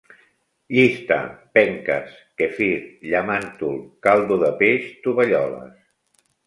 Llista: penques, quefir, llamàntol, caldo de peix, tovalloles